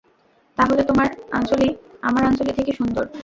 তাহলে তোমার আঞ্জলি আমার আঞ্জলি থেকে সুন্দর।